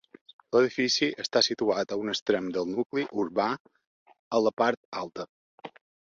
L'edifici està situat a un extrem del nucli urbà, a la part alta.